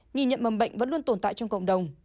nghi nhận mầm bệnh vẫn luôn tồn tại trong cộng đồng